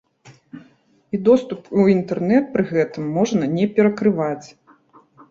І доступ у інтэрнэт пры гэтым можна не перакрываць.